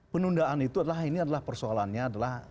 penundaan itu adalah ini adalah persoalannya adalah